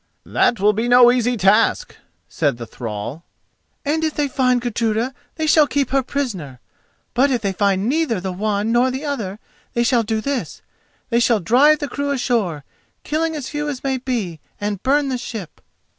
"That will be no easy task," said the thrall. "And if they find Gudruda they shall keep her prisoner. But if they find neither the one nor the other, they shall do this: they shall drive the crew ashore, killing as few as may be, and burn the ship."